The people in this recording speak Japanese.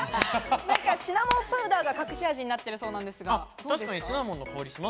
シナモンパウダーが隠し味になっているそうです。